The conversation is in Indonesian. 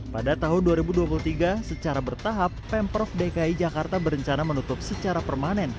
pada tahun dua ribu dua puluh tiga secara bertahap pemprov dki jakarta berencana menutup secara permanen